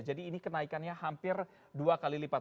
jadi ini kenaikannya hampir dua kali lipat